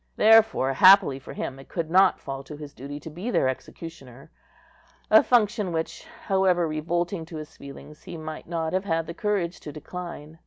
Therefore, happily for him, it could not fall to his duty to be their executioner, a function which, however revolting to his feelings, he might not have had courage to decline.